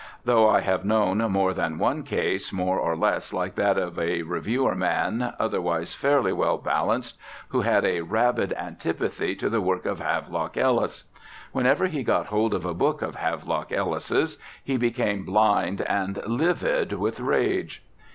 Though I have known more than one case more or less like that of a reviewer man, otherwise fairly well balanced, who had a rabid antipathy to the work of Havelock Ellis. Whenever he got hold of a book of Havelock Ellis's he became blind and livid with rage.